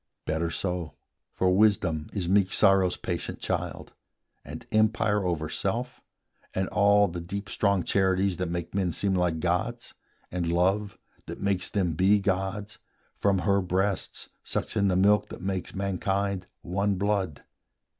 Better so: For wisdom is meek sorrow's patient child, And empire over self, and all the deep Strong charities that make men seem like gods; And love, that makes them be gods, from her breasts Sucks in the milk that makes mankind one blood.